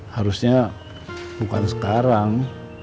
harusnya bukan sekarang